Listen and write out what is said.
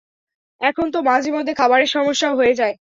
এখন তো মাঝেমধ্যে খাবারের সমস্যাও হয়ে যায়।